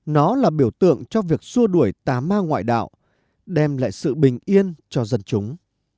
nó là biểu tượng cho việc xua đuổi tà ma ngoại đạo đem lại sự bình yên cho dân chúng